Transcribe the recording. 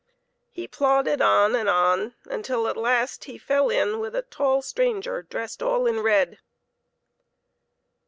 He plodded on and on uptil at last he fell in with a tall stranger dressed all in red.